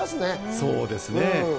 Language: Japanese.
そうですね。